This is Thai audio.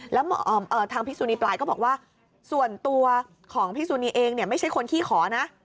แล้วทางพี่สุนีปลายก็บอกว่าส่วนตัวของพี่สุนีเองเนี่ยไม่ใช่คนขี้ขอนะ